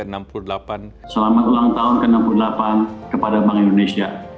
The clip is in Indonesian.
selamat ulang tahun ke enam puluh delapan kepada bank indonesia